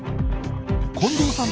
近藤さん